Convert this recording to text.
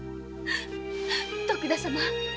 徳田様